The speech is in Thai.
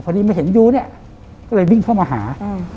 เพราะนี่ไม่เห็นอยู่เนี่ยก็เลยวิ่งเข้ามาหา